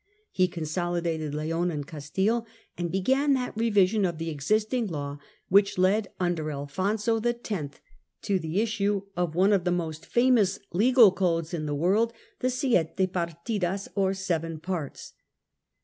He 12U 1252 consolidated Leon and Castile, and began that revision of the existing law which led, under Alfonso X., to the issue of one of the most famous legal codes in the world, the Siete Partidas, or "Seven Parts."